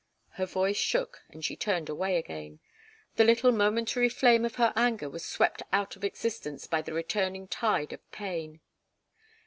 Her voice shook, and she turned away again. The little momentary flame of her anger was swept out of existence by the returning tide of pain.